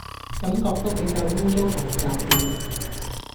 感覺都比較污糟同雜亂